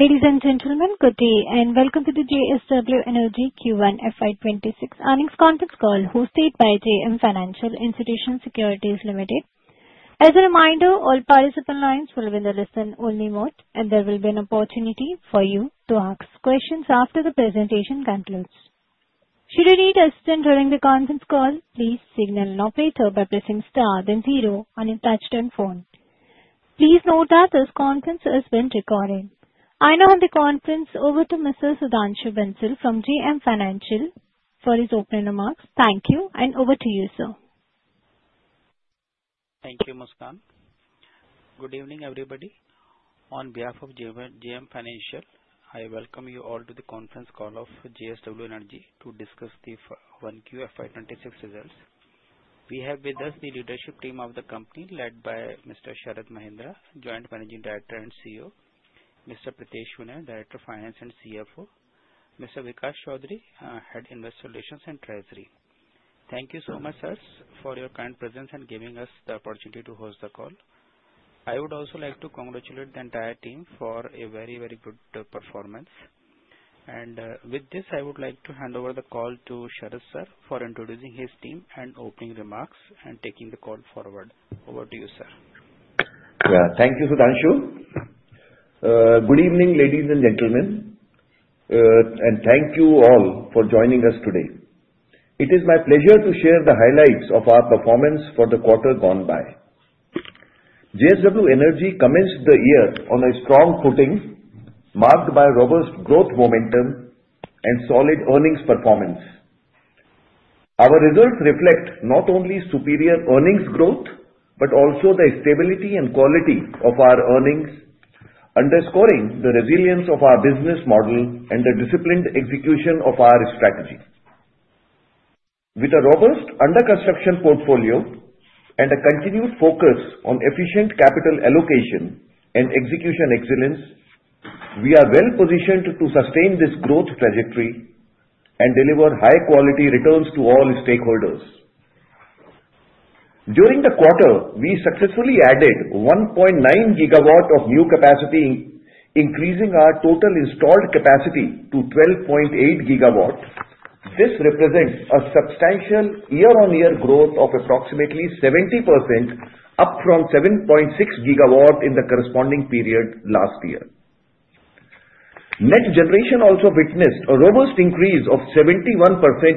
Ladies and gentlemen, good day, and welcome to the JSW Energy Q1 FY26 Earnings Conference Call hosted by JM Financial Institutional Securities. As a reminder, all participant lines will be under listen-only mode, and there will be an opportunity for you to ask questions after the presentation concludes. Should you need assistance during the conference call, please signal an operator by pressing star then zero on your touch-tone phone. Please note that this conference is being recorded. I now hand the conference over to Mr. Sudhanshu Bansal from JM Financial for his opening remarks. Thank you, and over to you, sir. Thank you, Muskan. Good evening, everybody. On behalf of JM Financial, I welcome you all to the conference call of JSW Energy to discuss the 1Q FY2026 results. We have with us the leadership team of the company led by Mr. Sharad Mahendra, Joint Managing Director and CEO, Mr. Pritesh Vinay, Director of Finance and CFO, and Mr. Vikas Chaudhary, Head of Investor Relations and Treasury. Thank you so much, sirs, for your kind presence and giving us the opportunity to host the call. I would also like to congratulate the entire team for a very, very good performance. With this, I would like to hand over the call to Sharad sir for introducing his team and opening remarks and taking the call forward. Over to you, sir. Thank you, Sudhanshu. Good evening, ladies and gentlemen. Thank you all for joining us today. It is my pleasure to share the highlights of our performance for the quarter gone by. JSW Energy commenced the year on a strong footing, marked by robust growth momentum and solid earnings performance. Our results reflect not only superior earnings growth but also the stability and quality of our earnings, underscoring the resilience of our business model and the disciplined execution of our strategy. With a robust under-construction portfolio and a continued focus on efficient capital allocation and execution excellence, we are well positioned to sustain this growth trajectory and deliver high-quality returns to all stakeholders. During the quarter, we successfully added 1.9 GW of new capacity, increasing our total installed capacity to 12.8 GW. This represents a substantial year-on-year growth of approximately 70%, up from 7.6 GW in the corresponding period last year. Net generation also witnessed a robust increase of 71%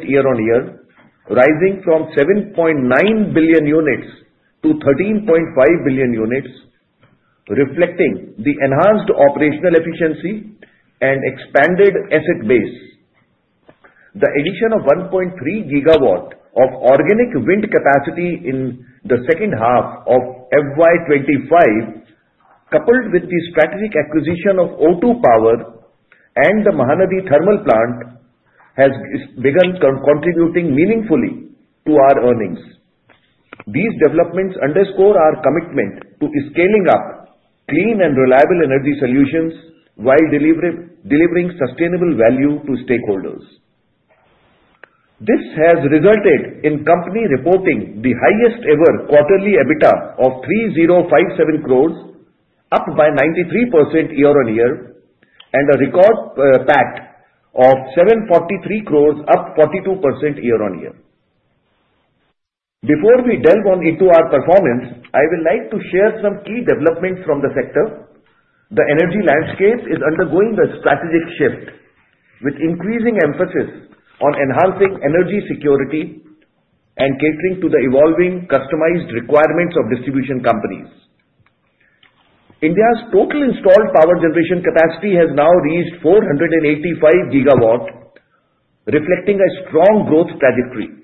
year-on-year, rising from 7.9 billion units to 13.5 billion units, reflecting the enhanced operational efficiency and expanded asset base. The addition of 1.3 GW of organic wind capacity in the second half of FY2025, coupled with the strategic acquisition of O2 Power and the Mahanadi Thermal Plant, has begun contributing meaningfully to our earnings. These developments underscore our commitment to scaling up clean and reliable energy solutions while delivering sustainable value to stakeholders. This has resulted in the company reporting the highest-ever quarterly EBITDA of 3,057 crores, up by 93% year-on-year, and a record PAT of 743 crores, up 42% year-on-year. Before we delve into our performance, I would like to share some key developments from the sector. The energy landscape is undergoing a strategic shift, with increasing emphasis on enhancing energy security and catering to the evolving customized requirements of distribution companies. India's total installed power generation capacity has now reached 485 GW, reflecting a strong growth trajectory.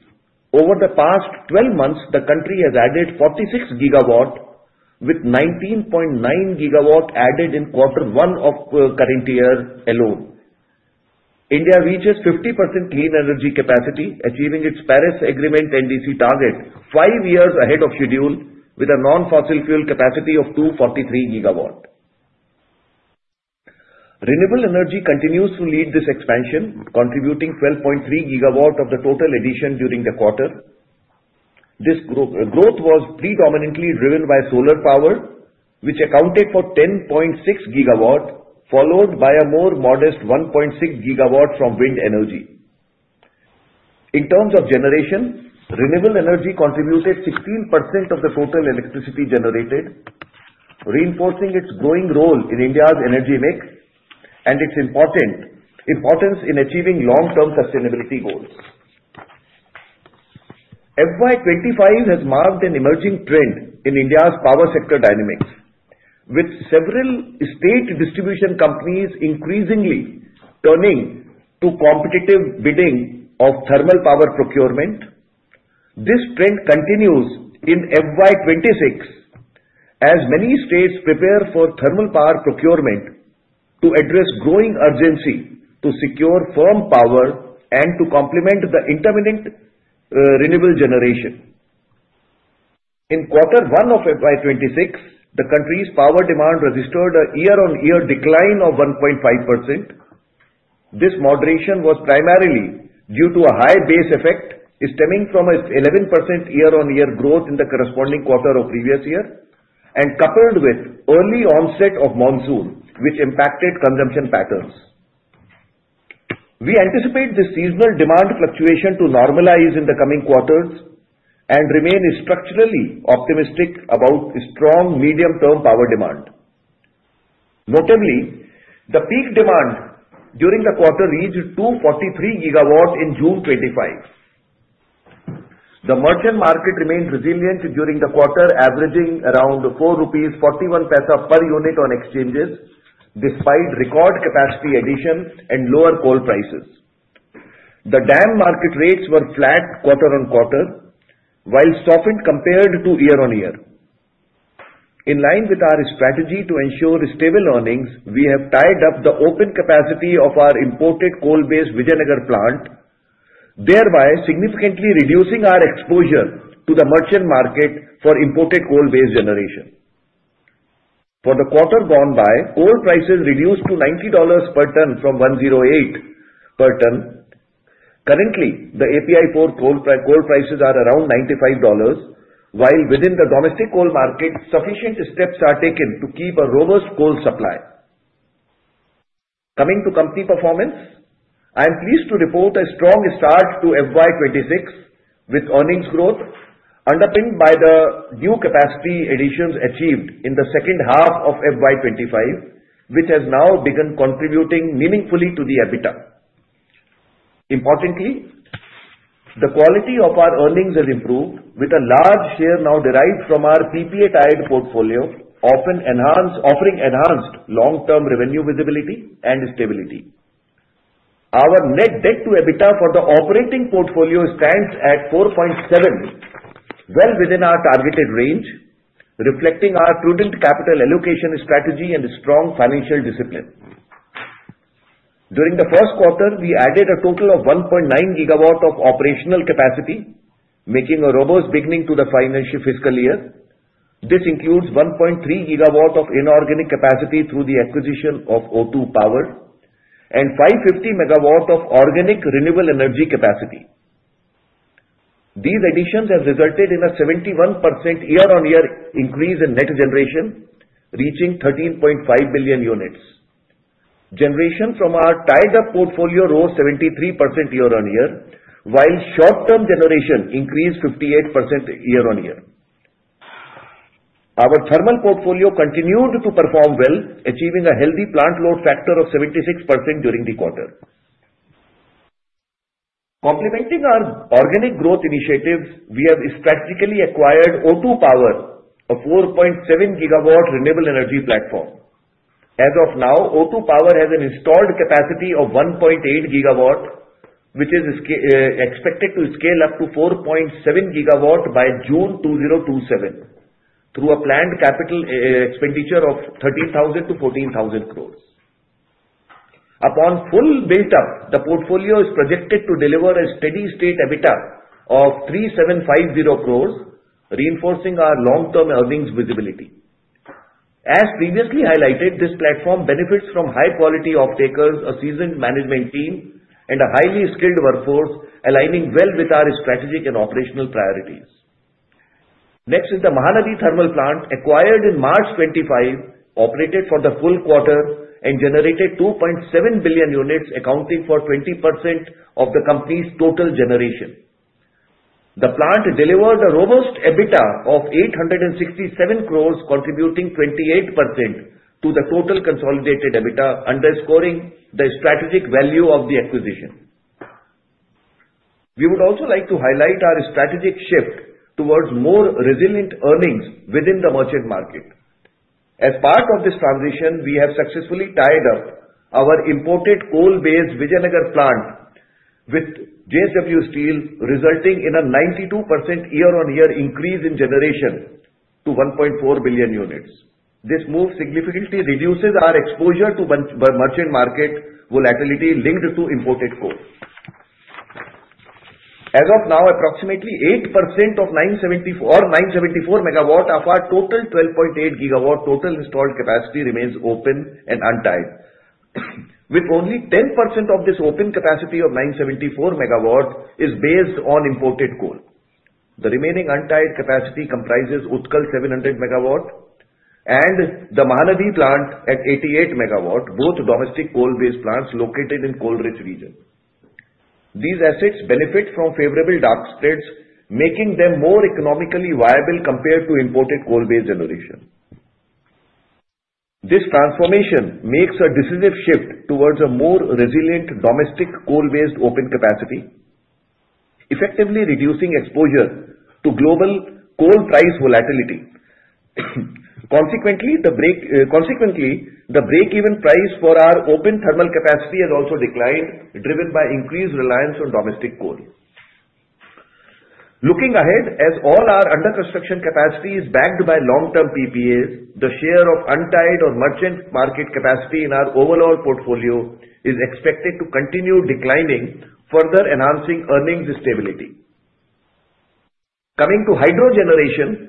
Over the past 12 months, the country has added 46 GW, with 19.9 GW added in quarter one of the current year alone. India reaches 50% clean energy capacity, achieving its Paris Agreement NDC target five years ahead of schedule, with a non-fossil fuel capacity of 243 GW. Renewable energy continues to lead this expansion, contributing 12.3 GW of the total addition during the quarter. This growth was predominantly driven by solar power, which accounted for 10.6 GW, followed by a more modest 1.6 GW from wind energy. In terms of generation, renewable energy contributed 16% of the total electricity generated, reinforcing its growing role in India's energy mix and its importance in achieving long-term sustainability goals. FY2025 has marked an emerging trend in India's power sector dynamics, with several state distribution companies increasingly turning to competitive bidding of thermal power procurement. This trend continues in FY2026 as many states prepare for thermal power procurement to address growing urgency to secure firm power and to complement the intermittent renewable generation. In quarter one of FY2026, the country's power demand registered a year-on-year decline of 1.5%. This moderation was primarily due to a high base effect stemming from an 11% year-on-year growth in the corresponding quarter of the previous year, coupled with the early onset of monsoon, which impacted consumption patterns. We anticipate the seasonal demand fluctuation to normalize in the coming quarters and remain structurally optimistic about strong medium-term power demand. Notably, the peak demand during the quarter reached 243 gigawatts in June 2025. The merchant market remained resilient during the quarter, averaging around 4.41 rupees per unit on exchanges, despite record capacity additions and lower coal prices. The day-ahead market rates were flat quarter on quarter, while softened compared to year-on-year. In line with our strategy to ensure stable earnings, we have tied up the open capacity of our imported coal-based Vijayanagar plant, thereby significantly reducing our exposure to the merchant market for imported coal-based generation. For the quarter gone by, coal prices reduced to $90 per ton from $108 per ton. Currently, the API for coal prices are around $95, while within the domestic coal market, sufficient steps are taken to keep a robust coal supply. Coming to company performance, I am pleased to report a strong start to FY2026, with earnings growth underpinned by the new capacity additions achieved in the second half of FY2025, which has now begun contributing meaningfully to the EBITDA. Importantly. The quality of our earnings has improved, with a large share now derived from our PPA-tied portfolio, offering enhanced long-term revenue visibility and stability. Our net debt-to-EBITDA for the operating portfolio stands at 4.7, well within our targeted range, reflecting our prudent capital allocation strategy and strong financial discipline. During the first quarter, we added a total of 1.9 GW of operational capacity, making a robust beginning to the financial fiscal year. This includes 1.3 GW of inorganic capacity through the acquisition of O2 Power and 550 MW of organic renewable energy capacity. These additions have resulted in a 71% year-on-year increase in net generation, reaching 13.5 billion units. Generation from our tied-up portfolio rose 73% year-on-year, while short-term generation increased 58% year-on-year. Our thermal portfolio continued to perform well, achieving a healthy plant load factor of 76% during the quarter. Complementing our organic growth initiatives, we have strategically acquired O2 Power, a 4.7 GW renewable energy platform. As of now, O2 Power has an installed capacity of 1.8 GW, which is expected to scale up to 4.7 GW by June 2027, through a planned capital expenditure of 13,000 to 14,000 crores. Upon full build-up, the portfolio is projected to deliver a steady-state EBITDA of 3,750 crores, reinforcing our long-term earnings visibility. As previously highlighted, this platform benefits from high-quality off-takers, a seasoned management team, and a highly skilled workforce, aligning well with our strategic and operational priorities. Next is the Mahanadi Thermal Plant, acquired in March 2025, operated for the full quarter and generated 2.7 billion units, accounting for 20% of the company's total generation. The plant delivered a robust EBITDA of INR 867 crores, contributing 28% to the total consolidated EBITDA, underscoring the strategic value of the acquisition. We would also like to highlight our strategic shift towards more resilient earnings within the merchant market. As part of this transition, we have successfully tied up our imported coal-based Vijayanagar plant with JSW Steel, resulting in a 92% year-on-year increase in generation to 1.4 billion units. This move significantly reduces our exposure to the merchant market volatility linked to imported coal. As of now, approximately 8% of 974 MW of our total 12.8 GW total installed capacity remains open and untied. With only 10% of this open capacity of 974 MW based on imported coal, the remaining untied capacity comprises Utkal 700 MW and the Mahanadi Thermal Plant at 88 MW, both domestic coal-based plants located in the coal-rich region. These assets benefit from favorable dark spreads, making them more economically viable compared to imported coal-based generation. This transformation makes a decisive shift towards a more resilient domestic coal-based open capacity, effectively reducing exposure to global coal price volatility. Consequently, the break-even price for our open thermal capacity has also declined, driven by increased reliance on domestic coal. Looking ahead, as all our under-construction capacity is backed by long-term power purchase agreements (PPAs), the share of untied or merchant market capacity in our overall portfolio is expected to continue declining, further enhancing earnings stability. Coming to hydro generation,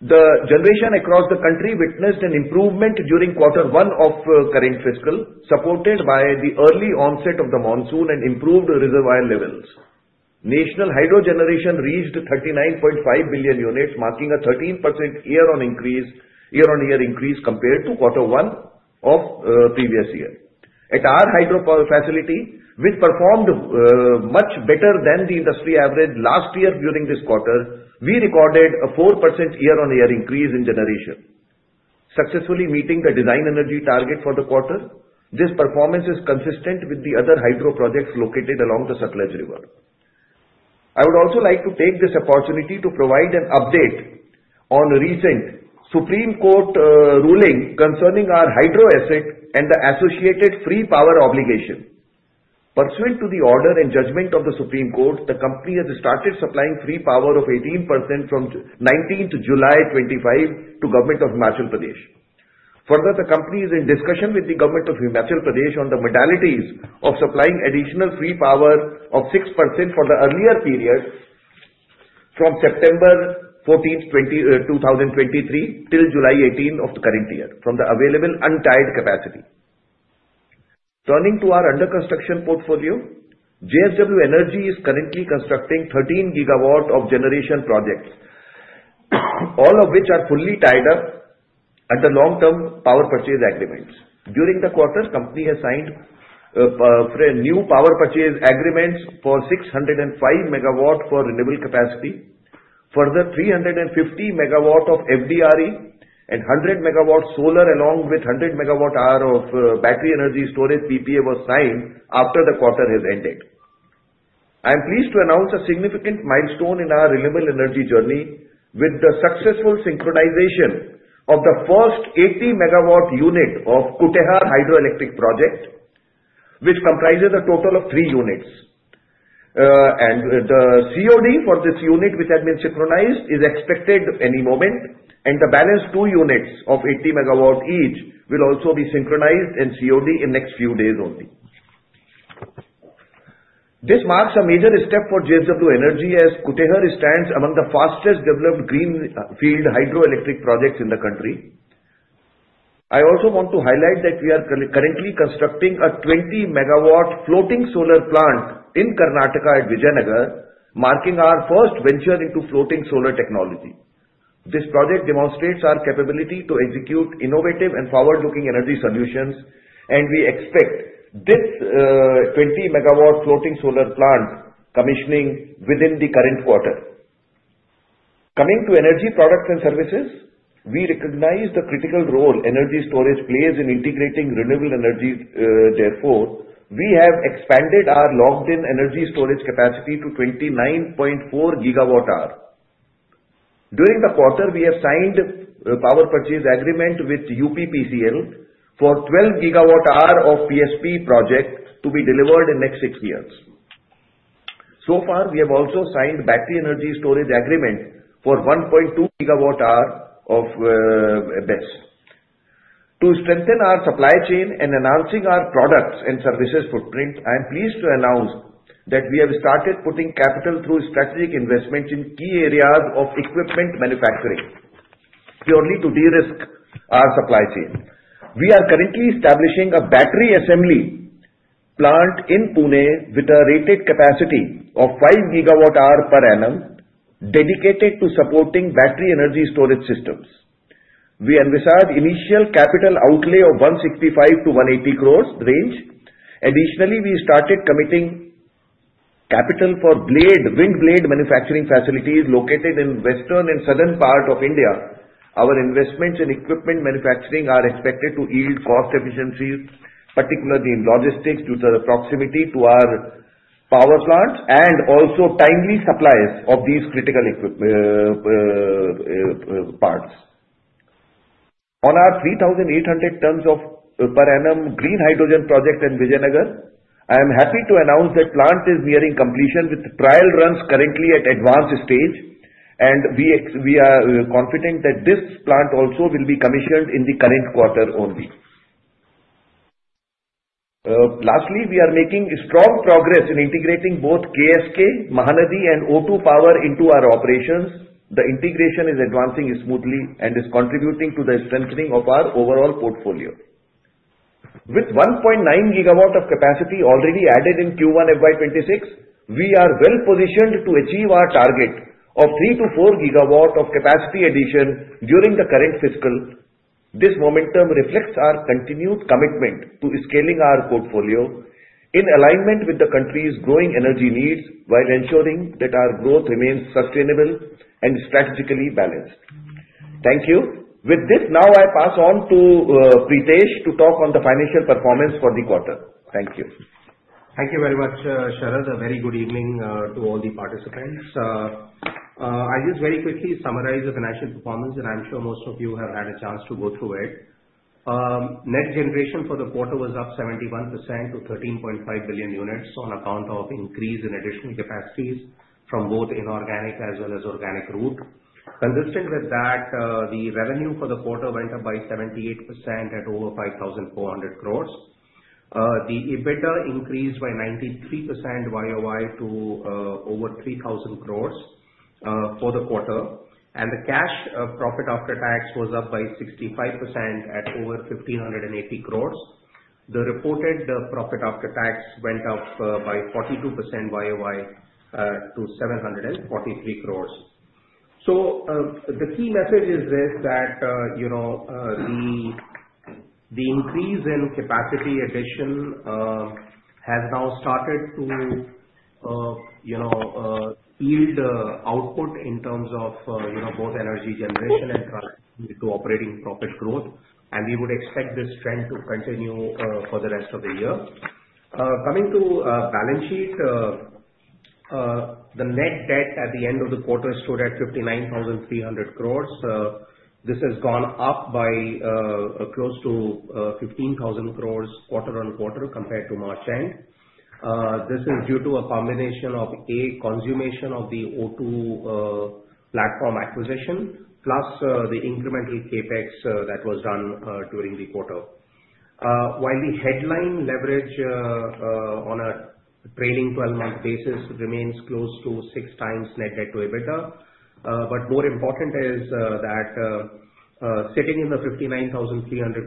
the generation across the country witnessed an improvement during quarter one of the current fiscal, supported by the early onset of the monsoon and improved reservoir levels. National hydro generation reached 39.5 billion units, marking a 13% year-on-year increase compared to quarter one of the previous year. At our hydro facility, which performed much better than the industry average last year during this quarter, we recorded a 4% year-on-year increase in generation, successfully meeting the design energy target for the quarter. This performance is consistent with the other hydro projects located along the Sutlej River. I would also like to take this opportunity to provide an update on a recent Supreme Court ruling concerning our hydro asset and the associated free power obligation. Pursuant to the order and judgment of the Supreme Court, the company has started supplying free power of 18% from July 19, 2025, to the government of Himachal Pradesh. Further, the company is in discussion with the government of Himachal Pradesh on the modalities of supplying additional free power of 6% for the earlier period from September 14, 2023, till July 18 of the current year, from the available untied capacity. Turning to our under-construction portfolio, JSW Energy is currently constructing 13 GW of generation projects, all of which are fully tied up under long-term power purchase agreements. During the quarter, the company has signed. New power purchase agreements for 605 megawatts for renewable capacity, further 350 MW of FDRE, and 100 megawatts solar, along with 100 megawatts of battery energy storage PPA was signed after the quarter has ended. I am pleased to announce a significant milestone in our renewable energy journey with the successful synchronization of the first 80 MW unit of Kutehr Hydroelectric Project, which comprises a total of three units. The COD for this unit, which has been synchronized, is expected any moment, and the balance two units of 80 megawatts each will also be synchronized and COD in the next few days only. This marks a major step for JSW Energy, as Kutehar stands among the fastest developed greenfield hydroelectric projects in the country. I also want to highlight that we are currently constructing a 20 MW floating solar plant in Karnataka at Vijayanagar, marking our first venture into floating solar technology. This project demonstrates our capability to execute innovative and forward-looking energy solutions, and we expect this 20 MW floating solar plant commissioning within the current quarter. Coming to energy products and services, we recognize the critical role energy storage plays in integrating renewable energy. Therefore, we have expanded our locked-in energy storage capacity to 29.4 GWh. During the quarter, we have signed a power purchase agreement with UPPCL for 12 GWh of PSP project to be delivered in the next six years. We have also signed a battery energy storage agreement for 1.2 GWh of BESS. To strengthen our supply chain and enhance our products and services footprint, I am pleased to announce that we have started putting capital through strategic investments in key areas of equipment manufacturing purely to de-risk our supply chain. We are currently establishing a battery assembly plant in Pune with a rated capacity of 5 GWh per annum dedicated to supporting battery energy storage systems. We envisage an initial capital outlay of 165 to 180 crore range. Additionally, we started committing capital for wind blade manufacturing facilities located in the western and southern part of India. Our investments in equipment manufacturing are expected to yield cost efficiencies, particularly in logistics due to the proximity to our power plants and also timely supplies of these critical parts. On our 3,800 tons of per annum green hydrogen project in Vijayanagar, I am happy to announce that the plant is nearing completion with trial runs currently at the advanced stage, and we are confident that this plant also will be commissioned in the current quarter only. Lastly, we are making strong progress in integrating both KSK, Mahanadi, and O2 Power into our operations. The integration is advancing smoothly and is contributing to the strengthening of our overall portfolio. With 1.9 GWof capacity already added in Q1 FY2026, we are well positioned to achieve our target of 3 to 4 GW of capacity addition during the current fiscal. This momentum reflects our continued commitment to scaling our portfolio in alignment with the country's growing energy needs while ensuring that our growth remains sustainable and strategically balanced. Thank you. With this, now I pass on to Pritesh to talk on the financial performance for the quarter. Thank you. Thank you very much, Sharad. A very good evening to all the participants. I'll just very quickly summarize the financial performance, and I'm sure most of you have had a chance to go through it. Net generation for the quarter was up 71% to 13.5 billion units on account of an increase in additional capacities from both inorganic as well as organic route. Consistent with that, the revenue for the quarter went up by 78% at over 5,400 crores. The EBITDA increased by 93% YOY to over 3,000 crores for the quarter, and the cash profit after tax was up by 65% at over 1,580 crores. The reported profit after tax went up by 42% YOY to 743 crores. The key message is this: the increase in capacity addition has now started to yield output in terms of both energy generation and contributing to operating profit growth, and we would expect this trend to continue for the rest of the year. Coming to the balance sheet, the net debt at the end of the quarter stood at 59,300 crores. This has gone up by close to 15,000 crores quarter on quarter compared to March end. This is due to a combination of A, consummation of the O2 Power platform acquisition, plus the incremental capex that was done during the quarter. While the headline leverage on a trailing 12-month basis remains close to six times net debt to EBITDA, more important is that. Sitting in the 59,300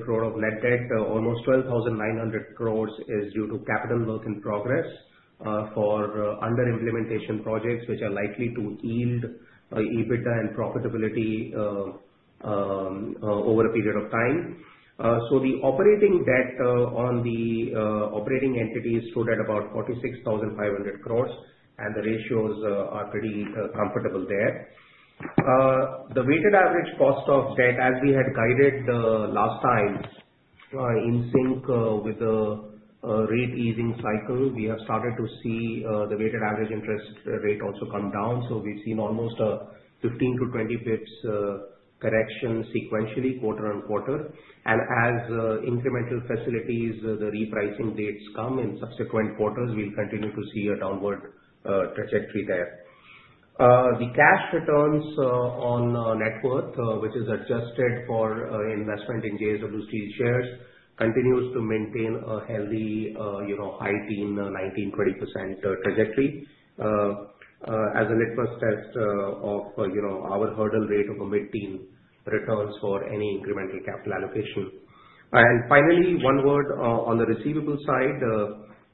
crore of net debt, almost 12,900 crore is due to capital work in progress for under-implementation projects, which are likely to yield EBITDA and profitability over a period of time. The operating debt on the operating entities stood at about 46,500 crore, and the ratios are pretty comfortable there. The weighted average cost of debt, as we had guided the last time, in sync with the rate easing cycle, we have started to see the weighted average interest rate also come down. We've seen almost a 15 to 20 bps correction sequentially quarter on quarter. As incremental facilities, the repricing dates come in subsequent quarters, we'll continue to see a downward trajectory there. The cash returns on net worth, which is adjusted for investment in JSW Steel shares, continues to maintain a healthy high teen, 19%, 20% trajectory as a litmus test of our hurdle rate of a mid-teen returns for any incremental capital allocation. Finally, one word on the receivable side.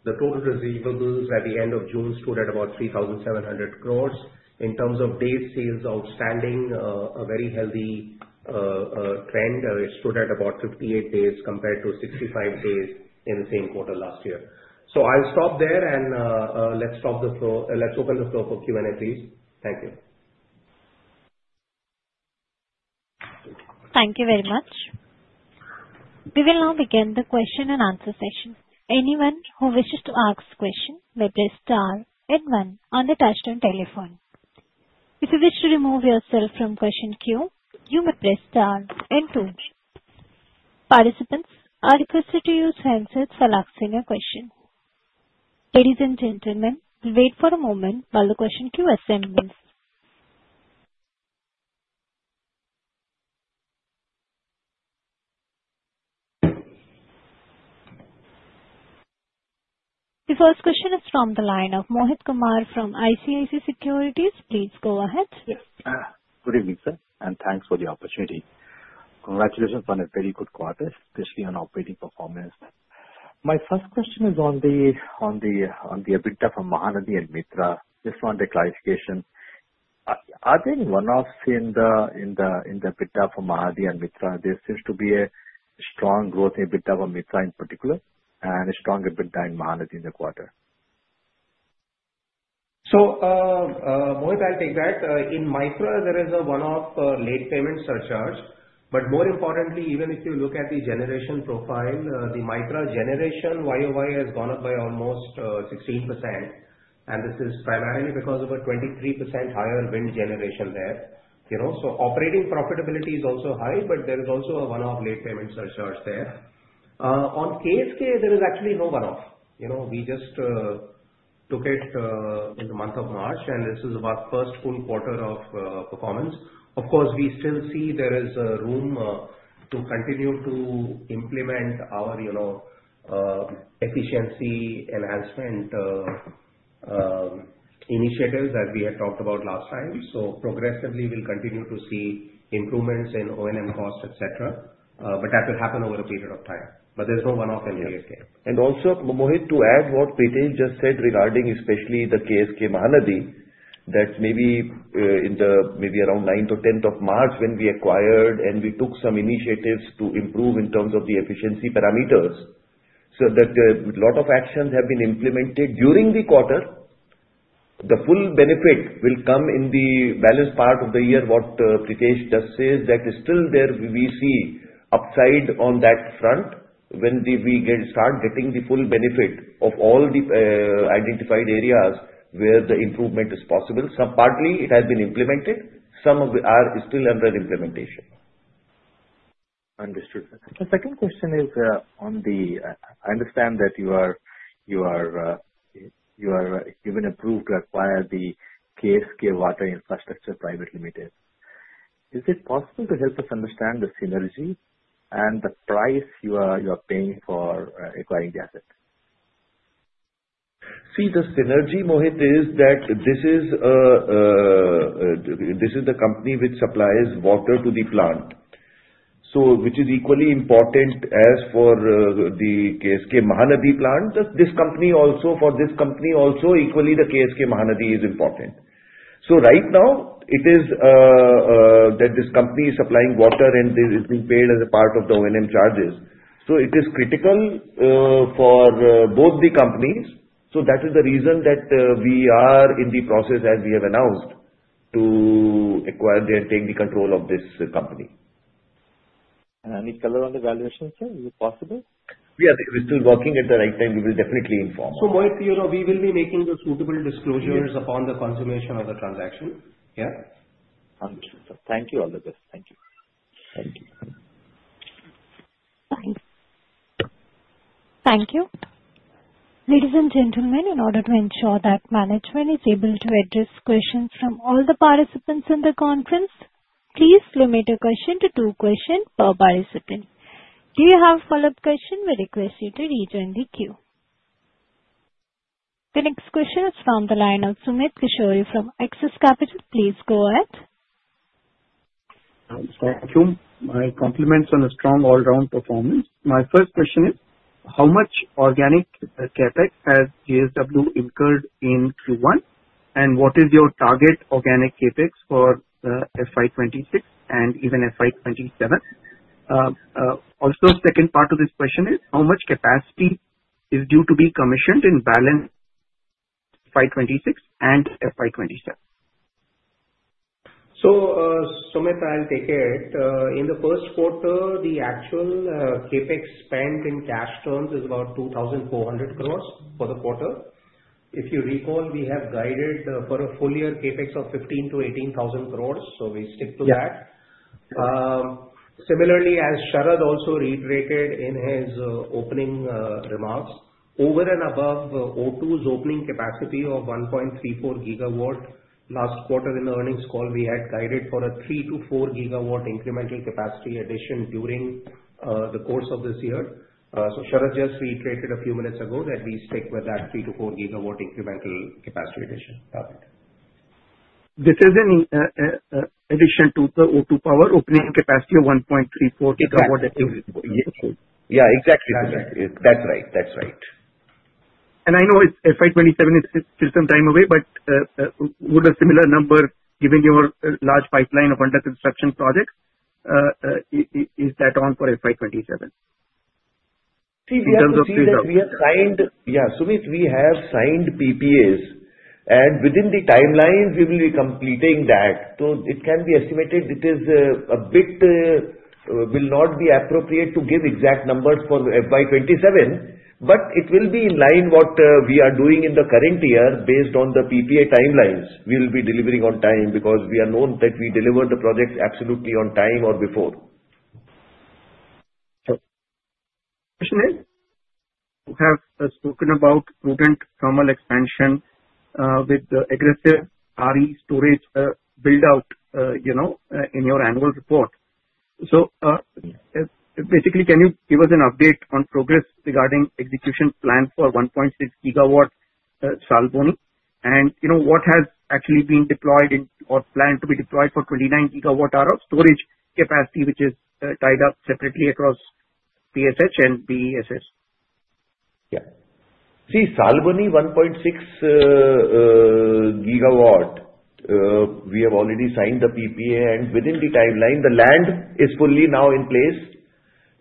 The total receivables at the end of June stood at about 3,700 crore. In terms of days sales outstanding, a very healthy trend. It stood at about 58 days compared to 65 days in the same quarter last year. I'll stop there, and let's open the floor for Q&A, please. Thank you. Thank you very much. We will now begin the question and answer session. Anyone who wishes to ask a question may press star and one on the touchscreen telephone. If you wish to remove yourself from question queue, you may press star and two. Participants are requested to use handsets while asking a question. Ladies and gentlemen, please wait for a moment while the question queue assembles. The first question is from the line of Mohit Kumar from ICICI Securities. Please go ahead. Good evening, sir, and thanks for the opportunity. Congratulations on a very good quarter, especially on operating performance. My first question is on the EBITDA from Mahanadi and Mitra. Just want a clarification. Are there any one-offs in the EBITDA for Mahanadi and Mitra? There seems to be a strong growth in EBITDA for Mitra in particular and a strong EBITDA in Mahanadi in the quarter. Mohit, I'll take that. In Mitra, there is a one-off late payment surcharge. More importantly, even if you look at the generation profile, the Mitra generation YOY has gone up by almost 16%. This is primarily because of a 23% higher wind generation there. Operating profitability is also high, but there is also a one-off late payment surcharge there. On KSK, there is actually no one-off. We just took it in the month of March, and this is about the first full quarter of performance. Of course, we still see there is room to continue to implement our efficiency enhancement initiatives that we had talked about last time. Progressively, we'll continue to see improvements in O&M cost, etc., but that will happen over a period of time. There is no one-off in KSK. Also, Mohit, to add to what Pritesh just said regarding especially the KSK Mahanadi, maybe around the 9th or 10th of March when we acquired and we took some initiatives to improve in terms of the efficiency parameters, a lot of actions have been implemented during the quarter. The full benefit will come in the balanced part of the year. What Pritesh just said is that still there we see upside on that front when we start getting the full benefit of all the identified areas where the improvement is possible. Some partly it has been implemented. Some are still under implementation. Understood. The second question is on the I understand that you have been approved to acquire the KSK Water Infrastructure Private Limited. Is it possible to help us understand the synergy and the price you are paying for acquiring the asset? The synergy, Mohit, is that this is the company which supplies water to the plant, which is equally important as for the KSK Mahanadi plant. This company also, for this company also, equally the KSK Mahanadi is important. Right now, this company is supplying water and is being paid as a part of the O&M charges. It is critical for both the companies. That is the reason that we are in the process, as we have announced, to acquire and take control of this company. Any color on the valuation, sir? Is it possible? We are still working. At the right time, we will definitely inform. Mohit, we will be making the suitable disclosures upon the consummation of the transaction. Understood, sir. Thank you, Allerja. Thank you. Thank you. Thank you. Ladies and gentlemen, in order to ensure that management is able to address questions from all the participants in the conference, please limit your question to two questions per participant. If you have a follow-up question, we request you to rejoin the queue. The next question is from the line of Sumit Kishore from Axis Capital. Please go ahead. Thank you. My compliments on a strong all-round performance. My first question is, how much organic capex has JSW incurred in Q1, and what is your target organic capex for FY26 and even FY27? Also, the second part of this question is, how much capacity is due to be commissioned in balance FY26 and FY27? Sumit,`````````````````````````````````` I'll take it. In the first quarter, the actual capex spent in cash terms is about 2,400 crore for the quarter. If you recall, we have guided for a full year capex of 15,000 to 18,000 crore. We stick to that. Similarly, as Sharad also reiterated in his opening remarks, over and above O2 Power's opening capacity of 1.34 GW, last quarter in the earnings call, we had guided for a 3 to 4 GW incremental capacity addition during the course of this year. Sharad just reiterated a few minutes ago that we stick with that 3 to 4 GW incremental capacity addition. This is in addition to the O2 Power opening capacity of 1.34 GW. Yeah, exactly. That's right. That's right. I know FY27 is still some time away, but would a similar number, given your large pipeline of under-construction projects, is that on for FY27? In terms of PPAs? Yeah, Sumit, we have signed PPAs, and within the timelines, we will be completing that. It can be estimated. It is a bit, will not be appropriate to give exact numbers for FY27, but it will be in line with what we are doing in the current year based on the PPA timelines. We will be delivering on time because we are known that we deliver the projects absolutely on time or before. Sumit you have spoken about prudent thermal expansion with the aggressive RE storage build-out in your annual report. Basically, can you give us an update on progress regarding execution plan for 1.6 GW Salboni? What has actually been deployed or planned to be deployed for 29 GW-hour storage capacity, which is tied up separately across PSH and BESS? Yeah. See, Salboni 1.6 GW, we have already signed the PPA, and within the timeline, the land is fully now in place.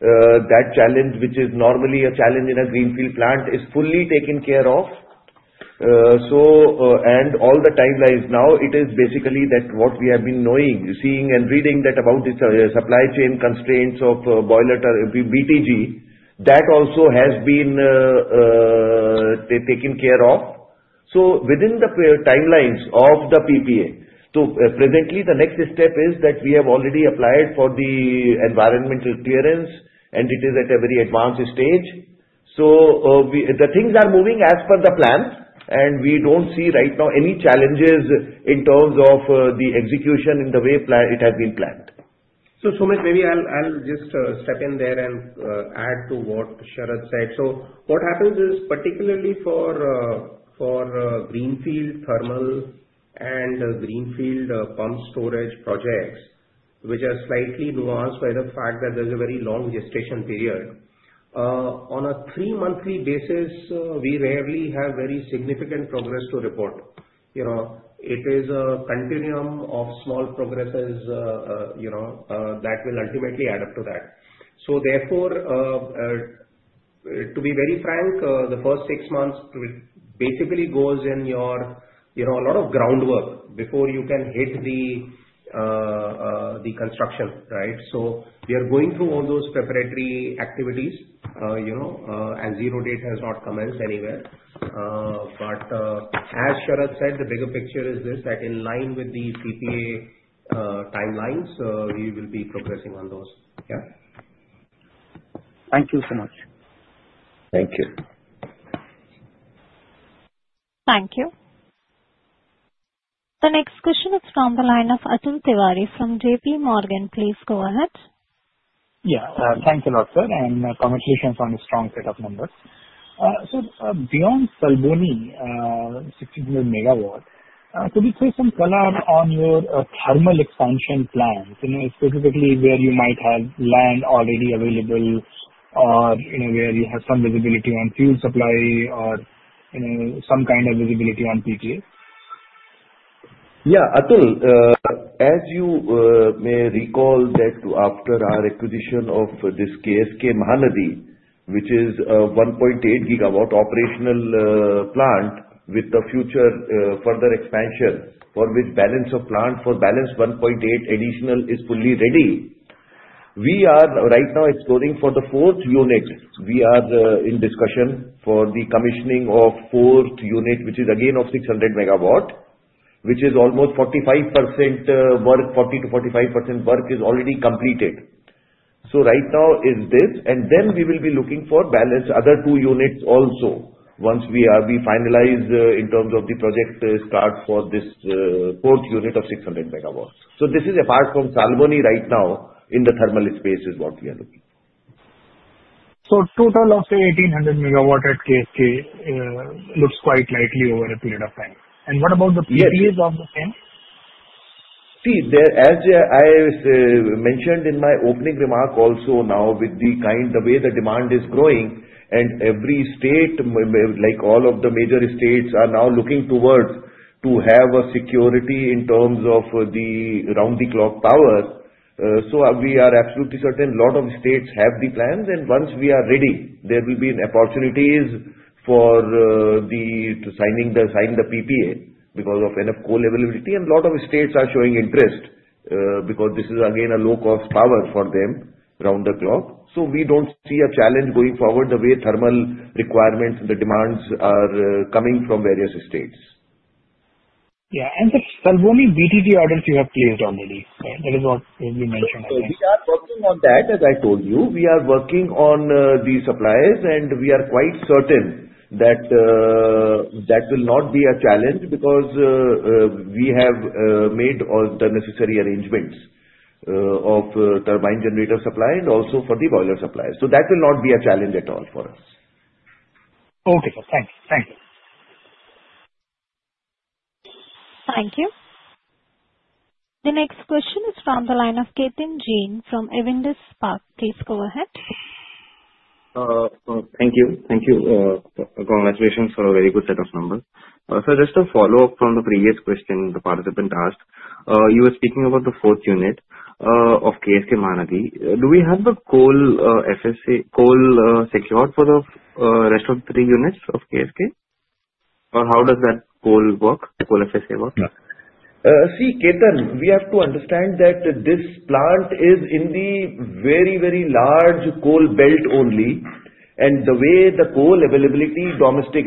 That challenge, which is normally a challenge in a greenfield plant, is fully taken care of. All the timelines, now it is basically that what we have been knowing, seeing, and reading about the supply chain constraints of BTG, that also has been taken care of. Within the timelines of the PPA, presently, the next step is that we have already applied for the environmental clearance, and it is at a very advanced stage. The things are moving as per the plan, and we don't see right now any challenges in terms of the execution in the way it has been planned. Sumit, maybe I'll just step in there and add to what Sharad said. What happens is, particularly for greenfield thermal and greenfield pumped storage projects, which are slightly nuanced by the fact that there's a very long gestation period, on a three-monthly basis, we rarely have very significant progress to report. It is a continuum of small progresses that will ultimately add up to that. To be very frank, the first six months basically goes in your a lot of groundwork before you can hit the construction, right? We are going through all those preparatory activities. As zero date has not commenced anywhere. As Sharad said, the bigger picture is this: that in line with the PPA timelines, we will be progressing on those. Thank you so much. Thank you. Thank you. The next question is from the line of Atul Tiwari from J.P. Morgan. Please go ahead. Thank you a lot, sir, and congratulations on a strong set of numbers. Beyond Salboni, 1600 MW, could you say some color on your thermal expansion plans, specifically where you might have land already available or where you have some visibility on fuel supply or some kind of visibility on PPA? Atul, as you may recall, after our acquisition of this Mahanadi Thermal Plant, which is a 1.8 GW operational plant with the future further expansion for which balance of plant for balance 1.8 additional is fully ready, we are right now exploring for the fourth unit. We are in discussion for the commissioning of fourth unit, which is again of 600 MW, which is almost 45% work, 40 to 45% work is already completed. Right now is this, and then we will be looking for balance other two units also once we finalize in terms of the project start for this fourth unit of 600 MW. This is apart from Salboni right now in the thermal space is what we are looking for. Total of 1800 MW at Mahanadi Thermal Plant looks quite likely over a period of time. What about the PPAs of the same? See, as I mentioned in my opening remark also, now with the kind of way the demand is growing and every state, like all of the major states, are now looking towards having security in terms of the round-the-clock power. We are absolutely certain a lot of states have the plans, and once we are ready, there will be opportunities for signing the PPA because of enough coal availability. A lot of states are showing interest because this is again a low-cost power for them round the clock. We don't see a challenge going forward the way thermal requirements and the demands are coming from various states. Yeah. The Salboni BTG orders you have placed already, right? That is what you mentioned. We are working on that, as I told you. We are working on the supplies, and we are quite certain that will not be a challenge because we have made all the necessary arrangements for turbine generator supply and also for the boiler supply. That will not be a challenge at all for us. Okay. Thank you. Thank you. Thank you. The next question is from the line of Ketan Jain from Avendus Park. Please go ahead. Thank you. Thank you. Congratulations for a very good set of numbers. Just a follow-up from the previous question the participant asked. You were speaking about the fourth unit of KSK Mahanadi. Do we have the coal secured for the rest of the three units of KSK? Or how does that coal work, coal FSA work? See, Ketan, we have to understand that this plant is in the very, very large coal belt only. The way the coal availability domestic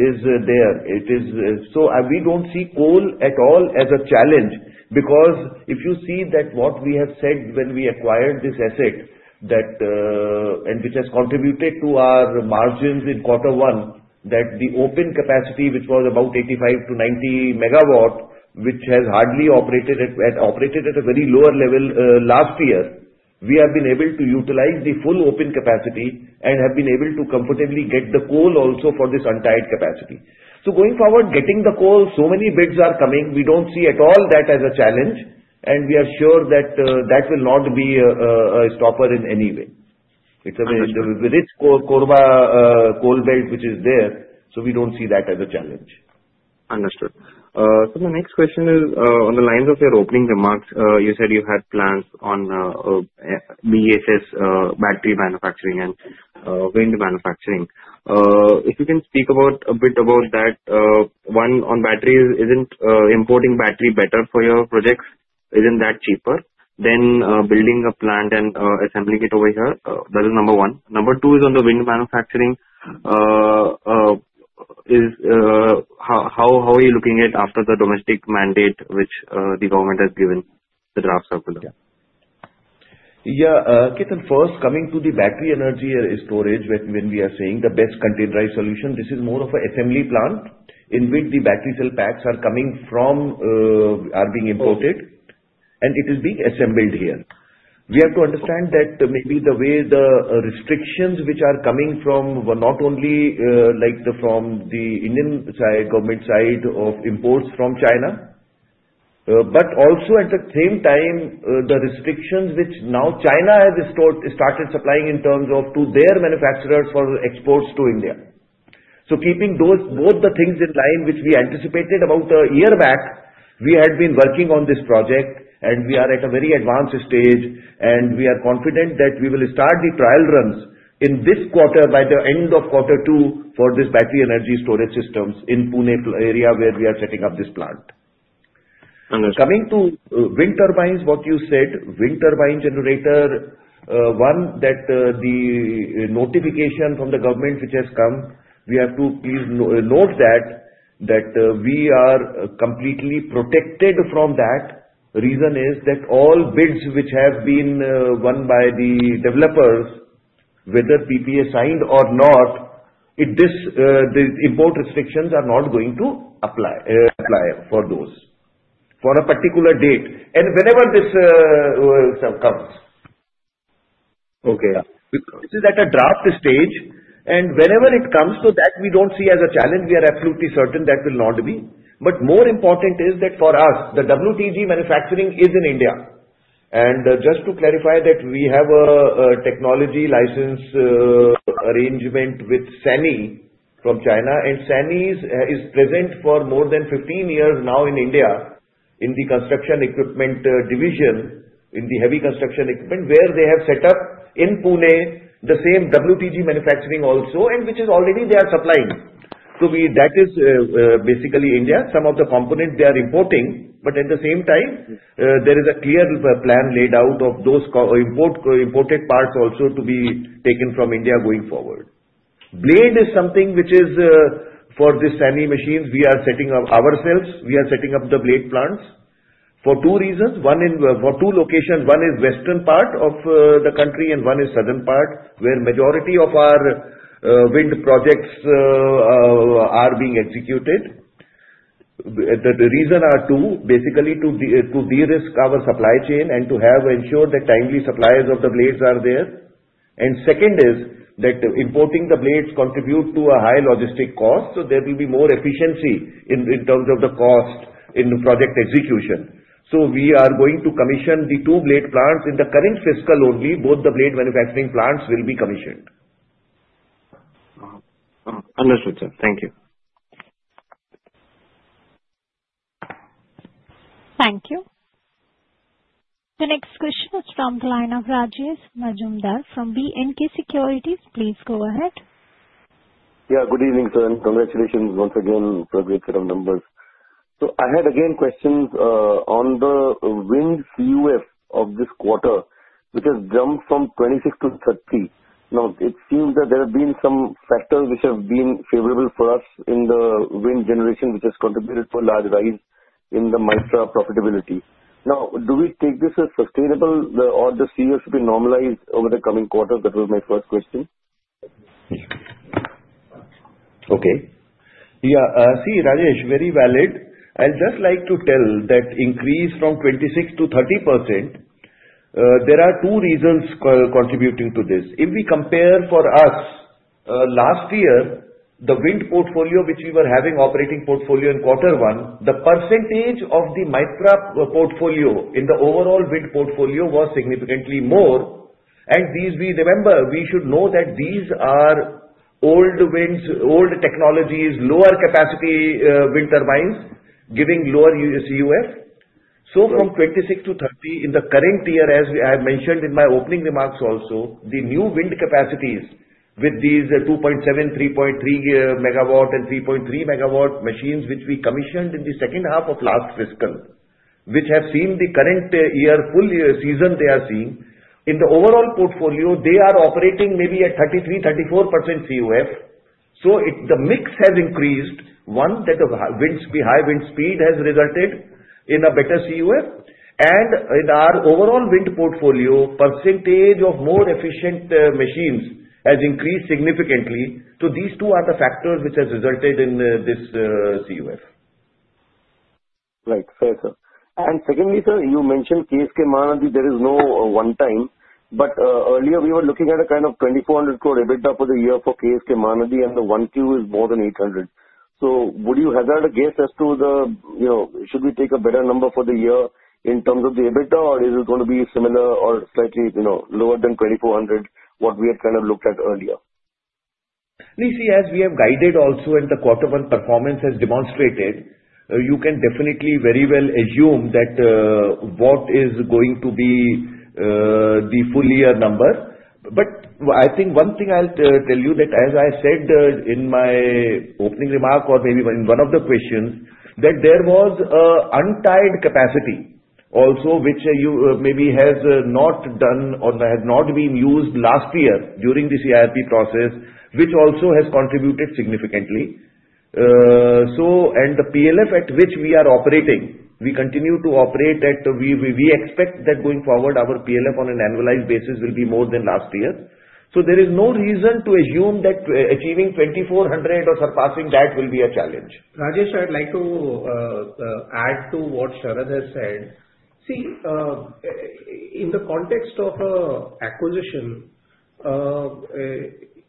is there, we don't see coal at all as a challenge because if you see what we have said when we acquired this asset, and which has contributed to our margins in quarter one, the open capacity, which was about 85 to 90 MW, which has hardly operated at a very lower level last year, we have been able to utilize the full open capacity and have been able to comfortably get the coal also for this untied capacity. Going forward, getting the coal, so many bids are coming, we don't see at all that as a challenge. We are sure that will not be a stopper in any way. It's a rich coal belt, which is there. We don't see that as a challenge. Understood. The next question is on the lines of your opening remarks. You said you had plans on BESS battery manufacturing and wind manufacturing. If you can speak a bit about that. One on batteries, isn't importing battery better for your projects? Isn't that cheaper than building a plant and assembling it over here? That is number one. Number two is on the wind manufacturing. How are you looking at after the domestic mandate which the government has given the draft circular? Yeah. Ketan, first, coming to the battery energy storage, when we are saying the best containerized solution, this is more of an assembly plant in which the battery cell packs are coming from, are being imported, and it is being assembled here. We have to understand that maybe the way the restrictions which are coming from not only from the Indian side, government side of imports from China, but also at the same time, the restrictions which now China has started supplying in terms of to their manufacturers for exports to India. Keeping both the things in line which we anticipated about a year back, we had been working on this project, and we are at a very advanced stage, and we are confident that we will start the trial runs in this quarter by the end of quarter two for this battery energy storage systems in Pune area where we are setting up this plant. Coming to wind turbines, what you said, wind turbine generator. One that the notification from the government which has come, we have to please note that we are completely protected from that. The reason is that all bids which have been won by the developers, whether PPA signed or not, the import restrictions are not going to apply for those for a particular date. Whenever this comes, this is at a draft stage, and whenever it comes, we don't see as a challenge, we are absolutely certain that will not be. More important is that for us, the WTG manufacturing is in India. Just to clarify that we have a technology license arrangement with SANY from China, and SANY is present for more than 15 years now in India in the construction equipment division, in the heavy construction equipment, where they have set up in Pune the same WTG manufacturing also, and which is already they are supplying. That is basically India. Some of the components they are importing, but at the same time, there is a clear plan laid out of those imported parts also to be taken from India going forward. Blade is something which is for the SANY machines we are setting up ourselves. We are setting up the blade plants for two reasons, in two locations. One is western part of the country and one is southern part, where majority of our wind projects are being executed. The reasons are two, basically to de-risk our supply chain and to ensure that timely supplies of the blades are there. Second is that importing the blades contributes to a high logistic cost, so there will be more efficiency in terms of the cost in the project execution. We are going to commission the two blade plants in the current fiscal only. Both the blade manufacturing plants will be commissioned. Understood, sir. Thank you. Thank you. The next question is from the line of Rajesh Majumdar from B&K Securities. Please go ahead. Yeah. Good evening, sir, and congratulations once again for a great set of numbers. I had again questions on the wind CUF of this quarter, which has jumped from 26% to 30%. It seems that there have been some factors which have been favorable for us in the wind generation, which has contributed to a large rise in the MITRA profitability. Do we take this as sustainable, or should CUF be normalized over the coming quarters? That was my first question. Okay. Yeah. See, Rajesh, very valid. I'll just like to tell that increase from 26% to 30%. There are two reasons contributing to this. If we compare for us, last year, the wind portfolio which we were having, operating portfolio in quarter one, the percentage of the MITRA portfolio in the overall wind portfolio was significantly more. Remember, we should know that these are old winds, old technologies, lower capacity wind turbines giving lower CUF. From 26% to 30%, in the current year, as I mentioned in my opening remarks also, the new wind capacities with these 2.7 MW, 3.3 MW, and 3.3 MW machines which we commissioned in the second half of last fiscal, which have seen the current year full season they are seeing, in the overall portfolio, they are operating maybe at 33%, 34% CUF. The mix has increased. One, the high wind speed has resulted in a better CUF. In our overall wind portfolio, percentage of more efficient machines has increased significantly. These two are the factors which have resulted in this CUF. Right. Fair, sir. Secondly, sir, you mentioned Mahanadi Thermal Plant. There is no one time. Earlier, we were looking at a kind of 2,400 crore EBITDA for the year for Mahanadi Thermal Plant, and the Q1 is more than 800 crore. Would you hazard a guess as to should we take a better number for the year in terms of the EBITDA, or is it going to be similar or slightly lower than 2,400 crore, what we had kind of looked at earlier? See, as we have guided also, and the quarter one performance has demonstrated, you can definitely very well assume that. What is going to be the full year number. I think one thing I'll tell you that as I said in my opening remark or maybe in one of the questions, that there was an untied capacity also, which maybe has not done or has not been used last year during the CIP process, which also has contributed significantly. The PLF at which we are operating, we continue to operate at. We expect that going forward, our PLF on an annualized basis will be more than last year. There is no reason to assume that achieving 2,400 or surpassing that will be a challenge. Rajesh, I'd like to add to what Sharad has said. See, in the context of acquisition,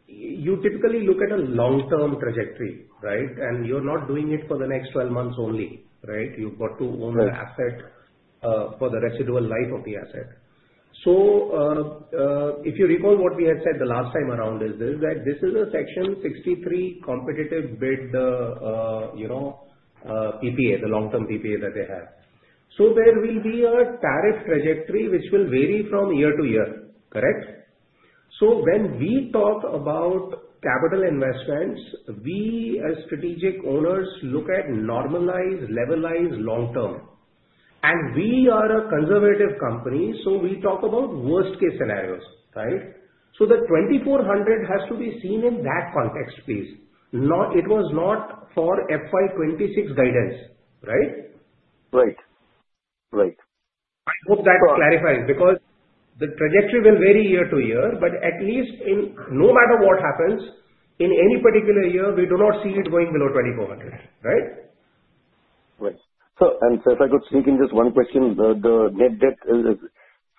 you typically look at a long-term trajectory, right? You're not doing it for the next 12 months only, right? You've got to own the asset for the residual life of the asset. If you recall what we had said the last time around is this, that this is a Section 63 competitive bid. PPA, the long-term PPA that they have. There will be a tariff trajectory which will vary from year to year, correct? When we talk about capital investments, we as strategic owners look at normalized, levelized long-term. We are a conservative company, so we talk about worst-case scenarios, right? The 2,400 has to be seen in that context, please. It was not for FY2026 guidance, right? Right. I hope that clarifies because the trajectory will vary year to year, but at least in no matter what happens, in any particular year, we do not see it going below 2,400, right? Right. If I could sneak in just one question, the net debt is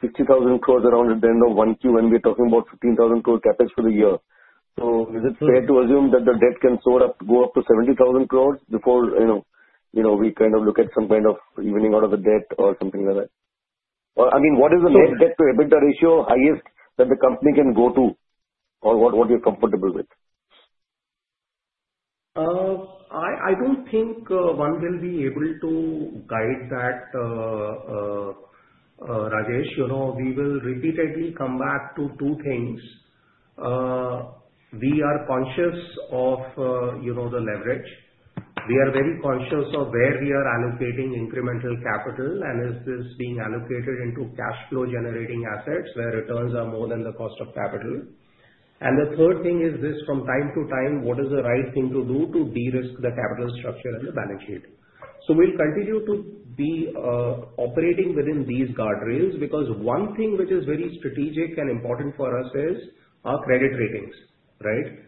60,000 crore around at the end of Q1 when we're talking about 15,000 crore capex for the year. Is it fair to assume that the debt can go up to 70,000 crore before we kind of look at some kind of evening out of the debt or something like that? I mean, what is the net debt to EBITDA ratio highest that the company can go to, or what you're comfortable with? I don't think one will be able to guide that. Rajesh, we will repeatedly come back to two things. We are conscious of the leverage. We are very conscious of where we are allocating incremental capital, and is this being allocated into cash flow generating assets where returns are more than the cost of capital. The third thing is this, from time to time, what is the right thing to do to de-risk the capital structure and the balance sheet? We'll continue to be operating within these guardrails because one thing which is very strategic and important for us is our credit ratings, right?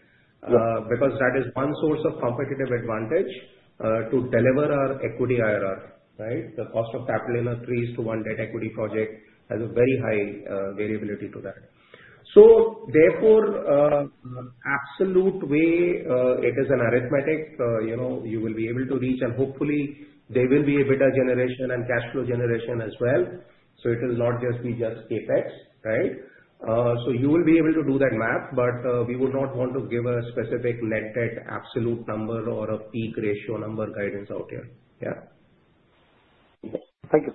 That is one source of competitive advantage to deliver our equity IRR, right? The cost of capital in a 3:1 debt equity project has a very high variability to that. Therefore, in an absolute way, it is an arithmetic you will be able to reach, and hopefully, there will be EBITDA generation and cash flow generation as well. It will not just be just capex, right? You will be able to do that math, but we would not want to give a specific net debt absolute number or a peak ratio number guidance out here. Thank you.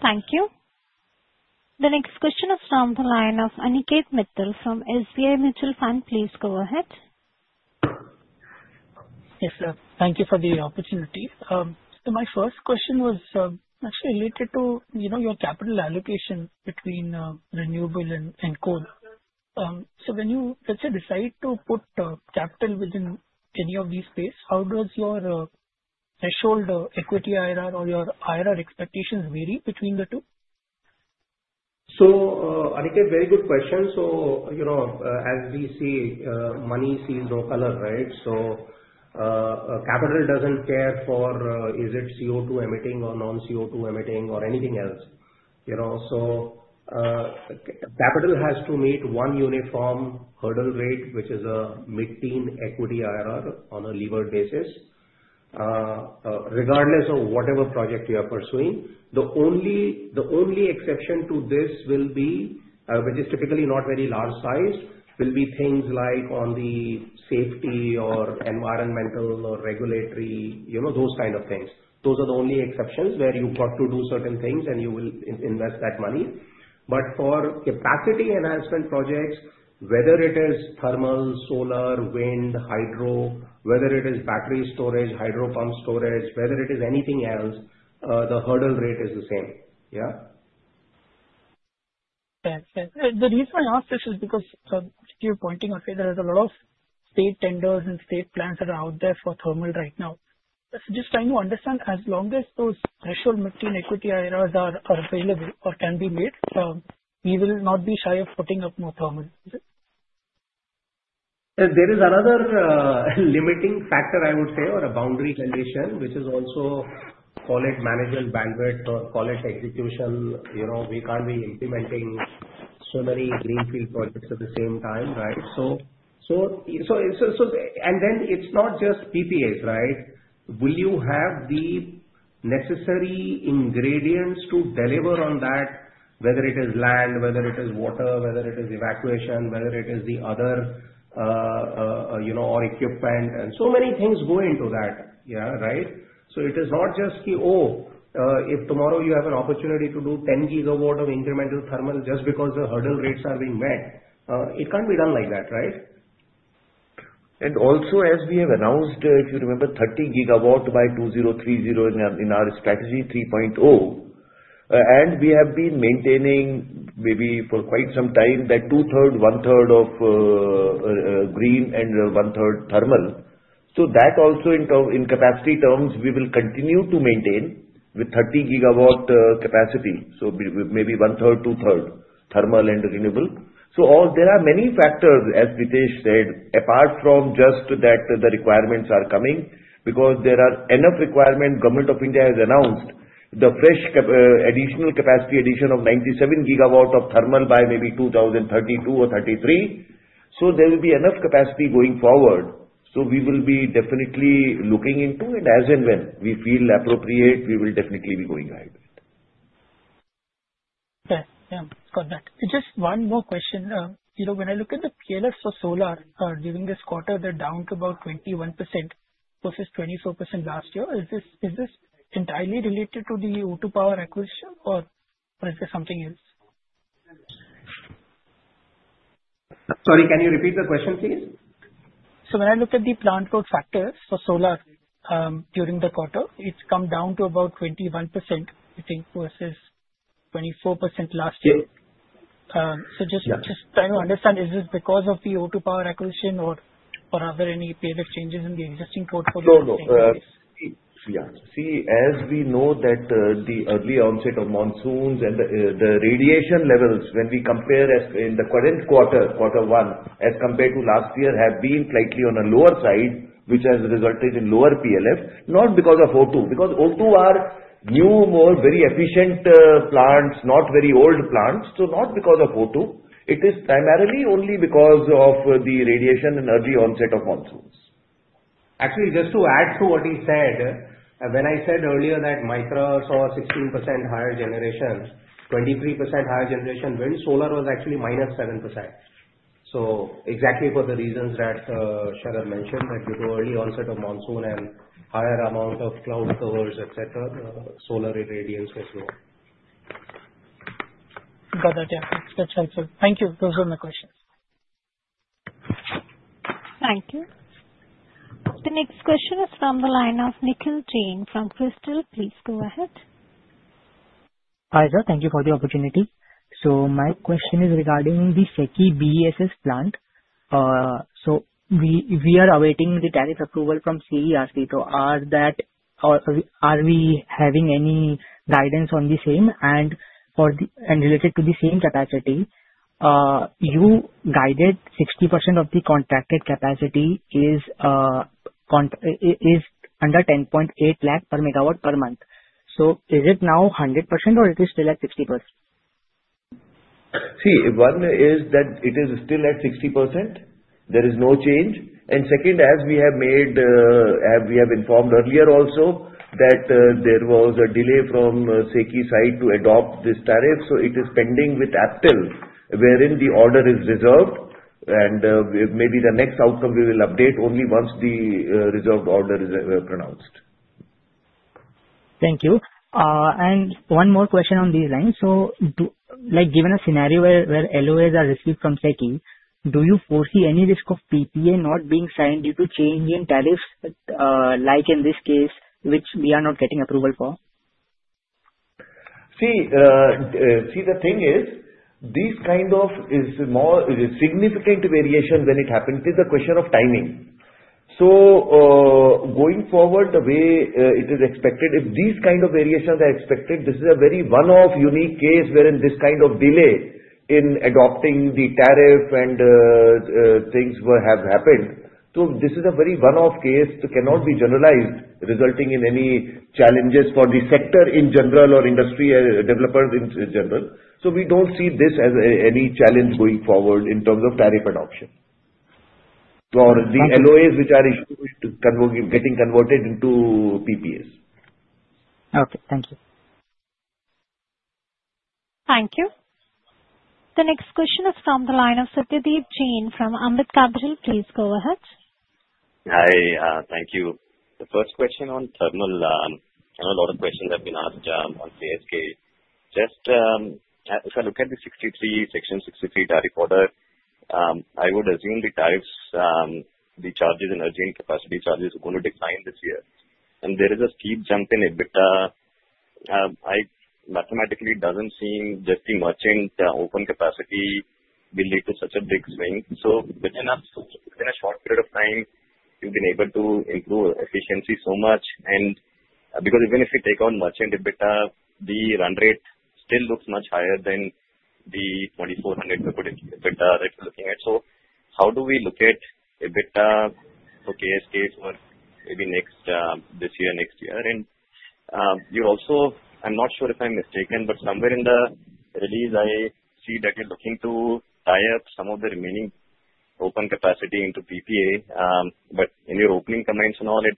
Thank you. The next question is from the line of Aniket Mittal from SBI Mutual Fund. Please go ahead. Yes, sir. Thank you for the opportunity. My first question was actually related to your capital allocation between renewable and coal. When you, let's say, decide to put capital within any of these space, how does your threshold equity IRR or your IRR expectations vary between the two? Aniket, very good question. As we see, money sees no color, right? Capital doesn't care for is it CO2 emitting or non-CO2 emitting or anything else. Capital has to meet one uniform hurdle rate, which is a mid-teen equity IRR on a levered basis. Regardless of whatever project you are pursuing, the only exception to this will be, which is typically not very large sized, will be things like on the safety or environmental or regulatory, those kind of things. Those are the only exceptions where you've got to do certain things, and you will invest that money. For capacity enhancement projects, whether it is thermal, solar, wind, hydro, whether it is battery energy storage, pumped storage, whether it is anything else, the hurdle rate is the same. Fair, fair. The reason I ask this is because you're pointing out there is a lot of state tenders and state plans that are out there for thermal right now. Just trying to understand, as long as those threshold mid-teen equity IRRs are available or can be made, we will not be shy of putting up more thermal. There is another limiting factor, I would say, or a boundary condition, which is also call it management bandwidth or call it execution. We can't be implementing so many greenfield projects at the same time, right? It is not just PPAs, right? Will you have the necessary ingredients to deliver on that, whether it is land, whether it is water, whether it is evacuation, whether it is the other, or equipment? So many things go into that, right? It is not just the, "Oh, if tomorrow you have an opportunity to do 10 GW of incremental thermal just because the hurdle rates are being met." It can't be done like that, right? Also, as we have announced, if you remember, 30 GW by 2030 in our strategy 3.0. We have been maintaining maybe for quite some time that two-thirds, one-third of green and one-third thermal. That also, in capacity terms, we will continue to maintain with 30 GW capacity. Maybe one-third, two-third thermal and renewable. There are many factors, as Pritesh said, apart from just that the requirements are coming because there are enough requirements. The Government of India has announced the fresh additional capacity addition of 97 GW of thermal by maybe 2032 or 2033. There will be enough capacity going forward. We will be definitely looking into it. As and when we feel appropriate, we will definitely be going ahead with it. Fair. Got that. Just one more question. When I look at the PLFs for solar during this quarter, they're down to about 21% versus 24% last year. Is this entirely related to the O2 Power acquisition, or is there something else? Sorry, can you repeat the question, please? When I look at the plant load factors for solar during the quarter, it's come down to about 21%, I think, versus 24% last year. Just trying to understand, is this because of the O2 Power acquisition, or are there any PLF changes in the existing portfolio? Sure. As we know, the early onset of monsoons and the radiation levels, when we compare in the current quarter, quarter one, as compared to last year, have been slightly on a lower side, which has resulted in lower PLF, not because of O2. Because O2 are new, more very efficient plants, not very old plants. Not because of O2. It is primarily only because of the radiation and early onset of monsoons. Actually, just to add to what he said, when I said earlier that MITRA saw 16% higher generation, 23% higher generation wind, solar was actually minus 7%. Exactly for the reasons that Sharad mentioned, that you do early onset of monsoon and higher amount of cloud covers, etc., the solar irradiance was lower. Got that. Yeah. That's helpful. Thank you. Those were my questions. Thank you. The next question is from the line of Nikhil Jain from Crystal. Please go ahead. Hi, sir. Thank you for the opportunity. My question is regarding the SECI battery energy storage systems plant. We are awaiting the tariff approval from CERC. Are we having any guidance on the same? Related to the same capacity, you guided 60% of the contracted capacity is under 1,080,000 per MW per month. Is it now 100%, or is it still at 60%? It is still at 60%. There is no change. As we have informed earlier also, there was a delay from SECI side to adopt this tariff. It is pending with APTEL, wherein the order is reserved. Maybe the next outcome we will update only once the reserved order is pronounced. Thank you. One more question on these lines. Given a scenario where LOAs are received from SECI, do you foresee any risk of PPA not being signed due to change in tariffs, like in this case, which we are not getting approval for? This kind of is a more significant variation when it happens. It is a question of timing. Going forward, the way it is expected, if these kind of variations are expected, this is a very one-off unique case wherein this kind of delay in adopting the tariff and things have happened. This is a very one-off case that cannot be generalized, resulting in any challenges for the sector in general or industry developers in general. We don't see this as any challenge going forward in terms of tariff adoption or the LOAs which are getting converted into PPAs. Okay. Thank you. Thank you. The next question is from the line of Satyadeep Jain from Ambit Capital. Please go ahead. Hi. Thank you. The first question on thermal. A lot of questions have been asked on KSK. If I look at the Section 63 tariff order, I would assume the charges and urgent capacity charges are going to decline this year. There is a steep jump in EBITDA. Mathematically, it doesn't seem that the merchant open capacity will lead to such a big swing. Within a short period of time, you've been able to improve efficiency so much. Even if you take on merchant EBITDA, the run rate still looks much higher than the 2,400 EBITDA that you're looking at. How do we look at EBITDA for KSK for maybe this year, next year? You also, I'm not sure if I'm mistaken, but somewhere in the release, I see that you're looking to tie up some of the remaining open capacity into PPA. In your opening comments, it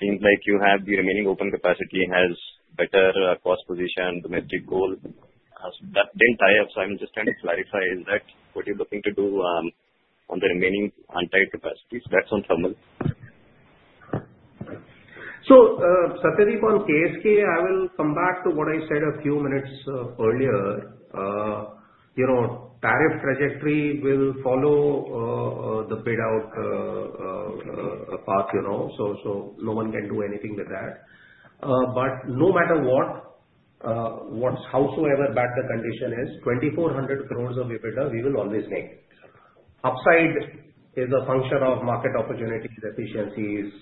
seems like the remaining open capacity has better cost position, domestic coal. That didn't tie up. I'm just trying to clarify. Is that what you're looking to do on the remaining untied capacity? That's on thermal. Satyadeep, on KSK, I will come back to what I said a few minutes earlier. Tariff trajectory will follow the bid-out path. No one can do anything with that. No matter what, howsoever bad the condition is, 2,400 crore of EBITDA, we will always make. Upside is a function of market opportunities, efficiencies,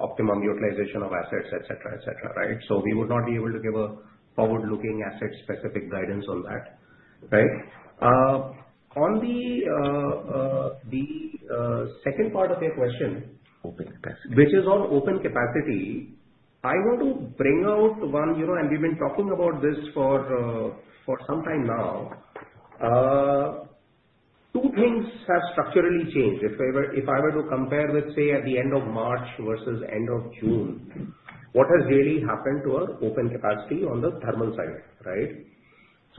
optimum utilization of assets, etc., right? We would not be able to give a forward-looking asset-specific guidance on that. On the second part of your question, which is on open capacity, I want to bring out one, and we've been talking about this for some time now. Two things have structurally changed. If I were to compare, let's say, at the end of March versus end of June, what has really happened to our open capacity on the thermal side, right?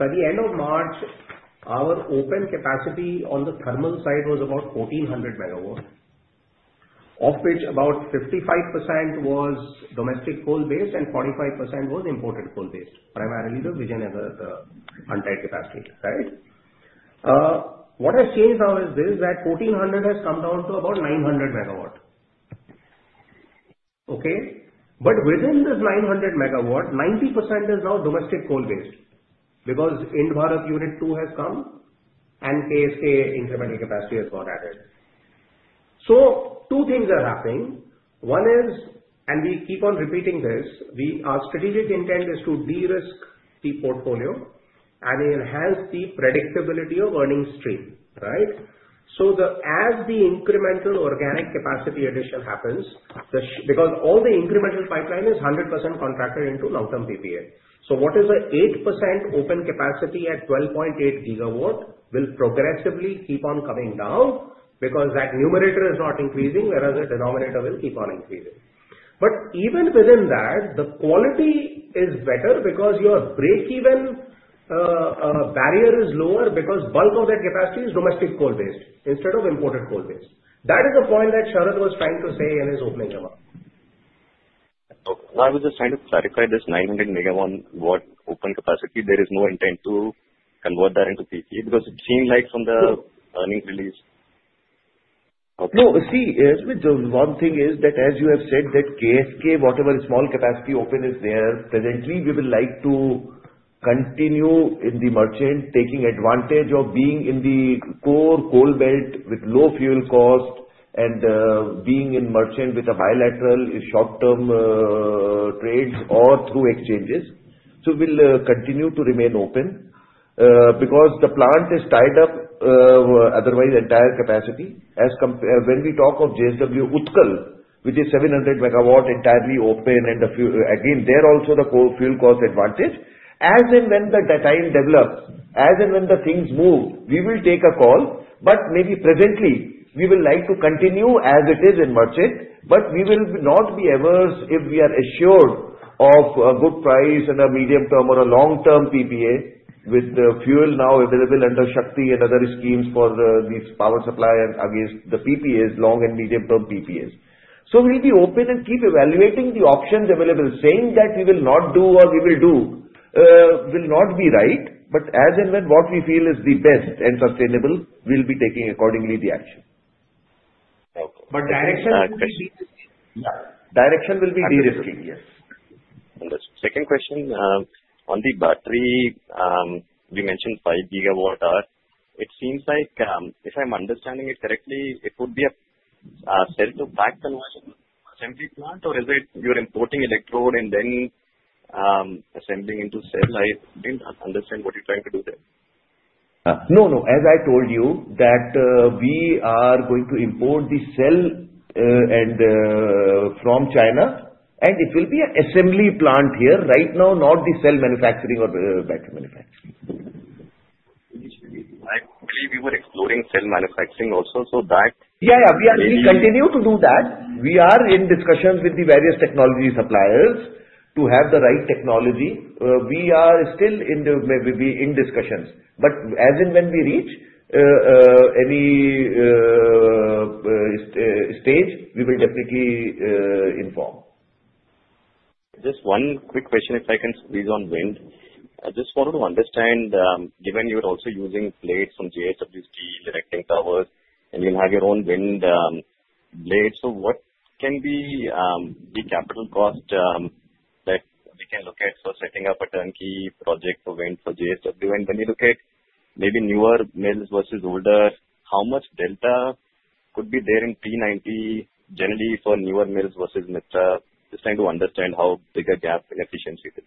At the end of March, our open capacity on the thermal side was about 1,400 MW, of which about 55% was domestic coal-based and 45% was imported coal-based, primarily the Vigen and the untied capacity, right? What has changed now is this: that 1,400 has come down to about 900 MW. Within this 900 MW, 90% is now domestic coal-based because Ind-Bharat Unit 2 has come, and KSK incremental capacity has got added. Two things are happening. We keep on repeating this, our strategic intent is to de-risk the portfolio and enhance the predictability of earning stream, right? As the incremental organic capacity addition happens, because all the incremental pipeline is 100% contracted into long-term PPA, the 8% open capacity at 12.8 GW will progressively keep on coming down because that numerator is not increasing, whereas the denominator will keep on increasing. Even within that, the quality is better because your break-even barrier is lower since bulk of that capacity is domestic coal-based instead of imported coal-based. That is the point that Sharad was trying to say in his opening remark. I was just trying to clarify this 900 MW open capacity. There is no intent to convert that into PPA because it seemed like from the earnings release. No, see, one thing is that, as you have said, that KSK, whatever small capacity open is there, presently, we would like to continue in the merchant, taking advantage of being in the core coal belt with low fuel cost and being in merchant with bilateral short-term trades or through exchanges. We'll continue to remain open because the plant is tied up otherwise, entire capacity. When we talk of JSW Utkal, which is 700 MW entirely open, and again, there also the fuel cost advantage, as and when the time develops, as and when the things move, we will take a call. Maybe presently, we will like to continue as it is in merchant, but we will not be averse if we are assured of a good price and a medium-term or a long-term PPA with the fuel now available under Shakti and other schemes for these power supply against the PPAs, long and medium-term PPAs. We'll be open and keep evaluating the options available, saying that we will not do or we will do will not be right. As and when what we feel is the best and sustainable, we'll be taking accordingly the action. Direction will be de-risking, yes. The second question, on the battery. You mentioned 5 GWh. It seems like, if I'm understanding it correctly, it would be a cell-to-pack conversion assembly plant, or is it you're importing electrode and then assembling into cell? I didn't understand what you're trying to do there. No, no. As I told you, we are going to import the cell from China, and it will be an assembly plant here. Right now, not the cell manufacturing or battery manufacturing. Actually, we were exploring cell manufacturing also, so that, Yeah, yeah, we continue to do that. We are in discussions with the various technology suppliers to have the right technology. We are still in discussions. As and when we reach any stage, we will definitely inform. Just one quick question, if I can squeeze on wind. I just wanted to understand, given you're also using blades from JSW Steel and acting towers, and you have your own wind blades, so what can be the capital cost that we can look at for setting up a turnkey project for wind for JSW? When you look at maybe newer mills versus older, how much delta could be there in P90, generally for newer mills versus MITRA? Just trying to understand how big a gap in efficiency is.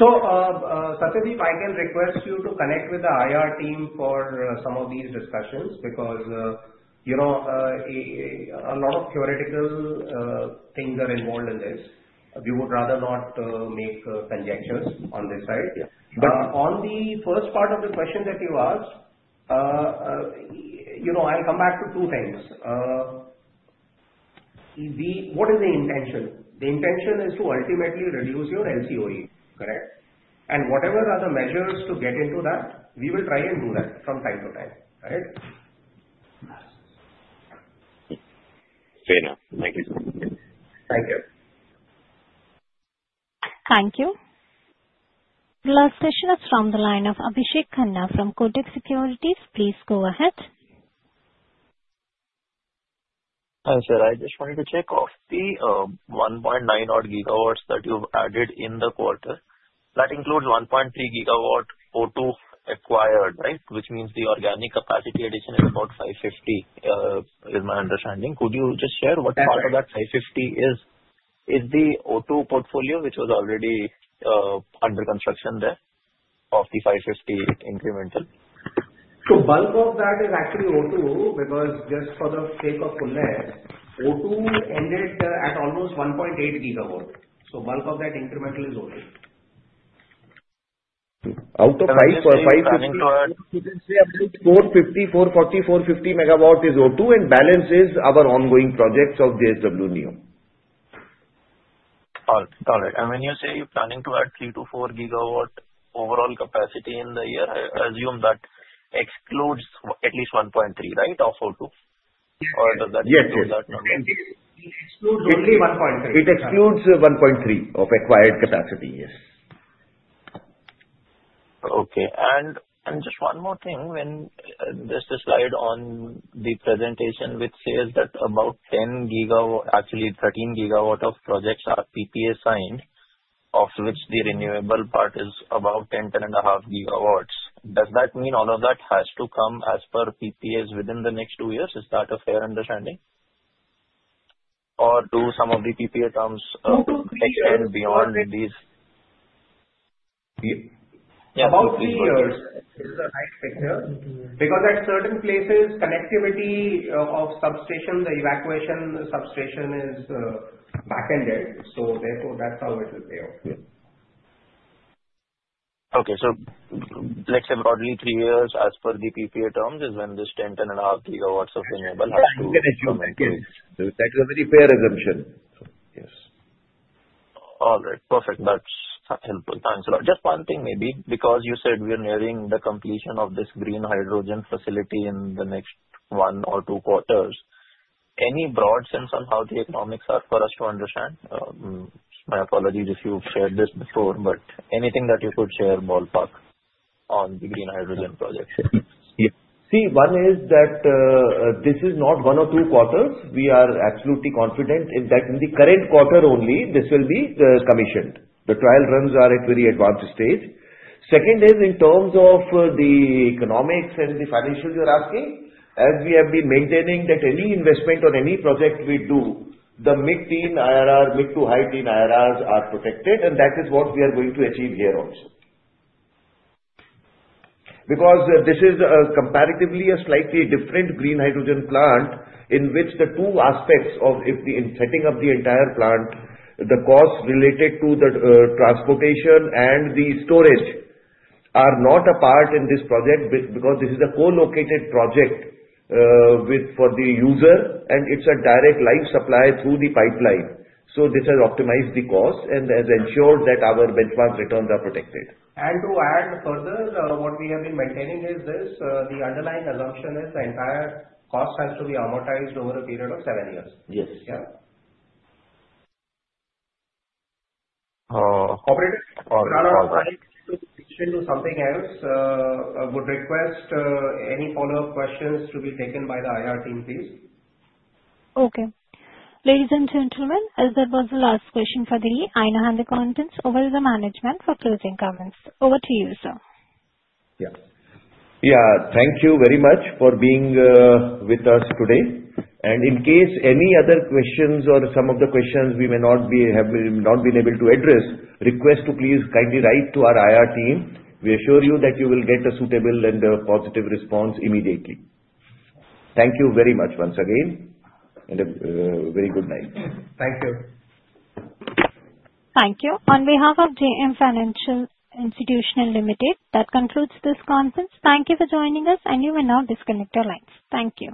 Satyadeep, I can request you to connect with the IR team for some of these discussions because a lot of theoretical things are involved in this. We would rather not make conjectures on this side. On the first part of the question that you asked, I'll come back to two things. What is the intention? The intention is to ultimately reduce your LCOE, correct? Whatever other measures to get into that, we will try and do that from time to time, right? Fair enough. Thank you. Thank you. Thank you. The last question is from the line of Abhishek Khanna from Kotak Securities. Please go ahead. Hi, sir I just wanted to check, of the 1.98 GW that you've added in the quarter, that includes 1.3 GW O2 acquired, right? Which means the organic capacity addition is about 550. Is my understanding correct? Could you just share what part of that 550 is the O2 portfolio, which was already under construction there, of the 550 incremental? Bulk of that is actually O2 because just for the sake of fullness, O2 ended at almost 1.8 GW. Bulk of that incremental is O2. Out of 550, 440, 450 MW is O2, and balance is our ongoing projects of JSW Neo. Got it. Got it. When you say you're planning to add 3 to 4 GW overall capacity in the year, I assume that excludes at least 1.3, right, of O2? Or does that include that number? Yes, yes. It excludes only 1.3. It excludes 1.3 of acquired capacity, yes. Okay. Just one more thing. There's a slide on the presentation which says that about 10 GW, actually 13 GW of projects are PPA-signed, of which the renewable part is about 10, 10.5 GW. Does that mean all of that has to come as per PPAs within the next two years? Is that a fair understanding? Or do some of the PPA terms extend beyond these? Yeah, about three years. This is a right picture. At certain places, connectivity of substation, the evacuation substation is backended. Therefore, that's how it will pay off. Okay. Let's say broadly three years as per the PPA terms is when this 10, 10.5 GW of renewable has to come? That's a very fair assumption. Yes. All right. Perfect. That's helpful. Thanks a lot. Just one thing maybe. Because you said we're nearing the completion of this green hydrogen facility in the next one or two quarters, any broad sense on how the economics are for us to understand? My apologies if you've shared this before, but anything that you could share, ballpark, on the green hydrogen projects? Yeah. See, one is that this is not one or two quarters. We are absolutely confident that in the current quarter only, this will be commissioned. The trial runs are at a very advanced stage. Second is in terms of the economics and the financials you're asking, as we have been maintaining that any investment on any project we do, the mid-teen IRR, mid to high-teen IRRs are protected, and that is what we are going to achieve here also. This is comparatively a slightly different green hydrogen plant in which the two aspects of setting up the entire plant, the cost related to the transportation and the storage are not a part in this project because this is a co-located project for the user, and it's a direct live supply through the pipeline. This has optimized the cost and has ensured that our benchmark returns are protected. To add further, what we have been maintaining is this: the underlying assumption is the entire cost has to be amortized over a period of seven years. Yes. Yeah? Operator? All right. I'll switch into something else. I would request any follow-up questions to be taken by the IR team, please. Okay. Ladies and gentlemen, that was the last question for the contents over the management for closing comments. Over to you, sir. Yeah. Yeah. Thank you very much for being with us today. In case any other questions or some of the questions we may not be able to address, request to please kindly write to our IR team. We assure you that you will get a suitable and positive response immediately. Thank you very much once again, and a very good night. Thank you. Thank you. On behalf of JM Financial Institutional Securities, that concludes this conference. Thank you for joining us, and you may now disconnect your lines. Thank you.